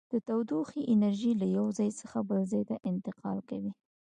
د تودوخې انرژي له یو ځای څخه بل ځای ته انتقال کوي.